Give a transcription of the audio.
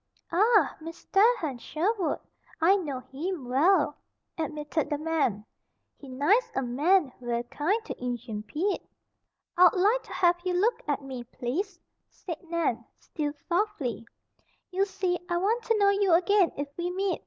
"Ah! Mis tair Hen Sherwood! I know heem well," admitted the man. "He nice a man ver' kind to Injun Pete." "I'd like to have you look at me, please," said Nan, still softly. "You see, I want to know you again if we meet.